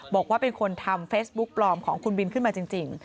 บอกว่าเป็นคนทำเฟซบุ๊กปลอมของคุณบินขึ้นมาจริง